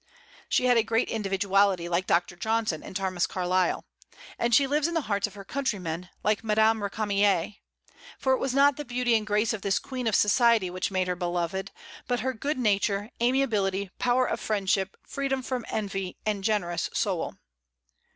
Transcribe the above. She had a great individuality, like Dr. Johnson and Thomas Carlyle. And she lives in the hearts of her countrymen, like Madame Récamier; for it was not the beauty and grace of this queen of society which made her beloved, but her good nature, amiability, power of friendship, freedom from envy, and generous soul.